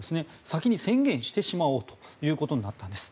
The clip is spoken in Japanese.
先に宣言してしまおうということになったんです。